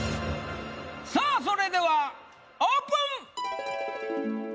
さあそれではオープン！